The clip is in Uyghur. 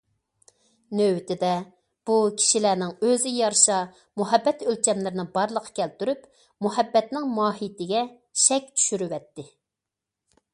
نۆۋىتىدە بۇ كىشىلەرنىڭ ئۆزىگە يارىشا مۇھەببەت ئۆلچەملىرىنى بارلىققا كەلتۈرۈپ، مۇھەببەتنىڭ ماھىيىتىگە شەك چۈشۈرۈۋەتتى.